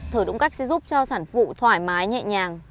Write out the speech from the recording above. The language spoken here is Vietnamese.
thở đúng cách sẽ giúp cho sản phụ thoải mái nhẹ nhàng